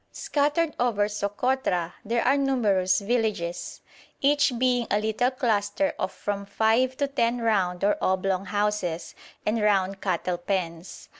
Scattered over Sokotra there are numerous villages, each being a little cluster of from five to ten round or oblong houses and round cattle pens.